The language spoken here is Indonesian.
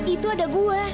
itu ada gua